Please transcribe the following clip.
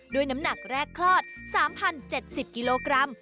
น้ำหนักแรกคลอด๓๐๗๐กิโลกรัม